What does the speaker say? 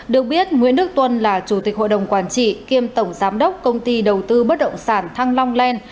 được biết nguyễn đức tuân là chủ tịch hội đồng quản trị kiêm tổng giám đốc công ty đầu tư bất động sản thăng long len